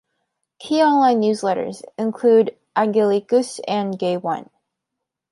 Key online newsletters include Angelicuss and GayOne.